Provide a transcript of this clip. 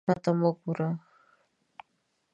شا ته مه ګوره.